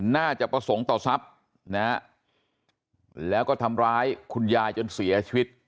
น่าจะประสงค์ต่อทรัพย์นะฮะแล้วก็ทำร้ายคุณยายจนเสียชีวิต